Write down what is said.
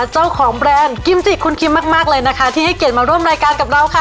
แบรนด์กิมจิคุณคิมมากเลยนะคะที่ให้เกียรติมาร่วมรายการกับเราค่ะ